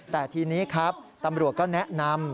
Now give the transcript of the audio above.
แต่ทีนี้ครับตำรวจก็แนะนำ